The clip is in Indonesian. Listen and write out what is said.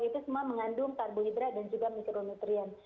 itu semua mengandung karbohidrat dan juga mikronutrien